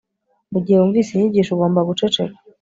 Mugihe wunvise inyigisho ugomba guceceka